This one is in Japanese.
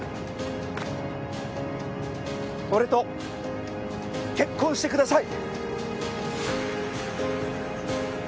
俺と結婚してください！